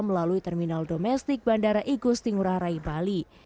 melalui terminal domestik bandara igusti ngurah rai bali